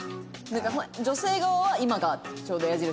だから女性側は今がちょうど矢印が。